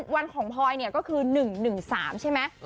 วันของพลอยก็คือ๑๑๓ใช่ไหม